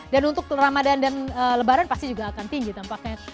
dan untuk ramadan dan lebaran pasti juga akan tinggi tampaknya